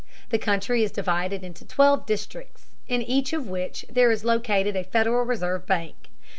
The country is divided into twelve districts, in each of which there is located a Federal Reserve bank.